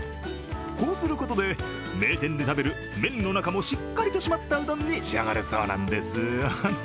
こうすることで、名店で食べる麺の中もしっかりと締まったうどんに仕上がるそうなんです。